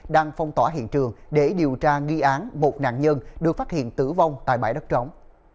đang phong tỏa hiện trường để điều tra nghi án một nạn nhân được phát hiện tử vong tại bãi đất trống